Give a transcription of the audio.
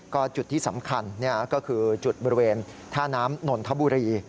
ก็จุดที่สำคัญก็คือจุดบริเวณท่าน้ำนนทบุรี